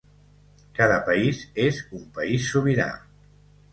Cada país és un país sobirà.